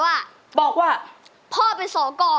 ไม่ค่อยนานเท่าไหร่ค่ะ